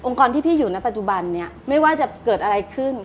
กรที่พี่อยู่ในปัจจุบันนี้ไม่ว่าจะเกิดอะไรขึ้น